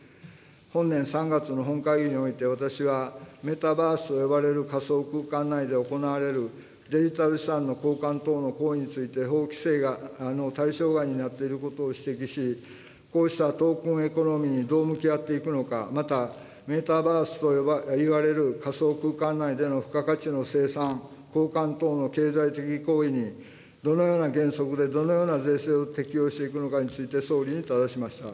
本年３月の本会議において、私はメタバースと呼ばれる仮想空間内で行われるデジタル資産の交換等の行為について法規制の対象外になっていることを指摘し、こうしたトークンエコノミーにどう向き合っていくのか、また、メタバースといわれる仮想空間内での付加価値の生産、交換等の経済的行為に、どのような原則で、どのような税制を適用していくのかについて、総理にただしました。